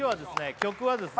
曲はですね